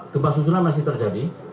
gempa susulan masih terjadi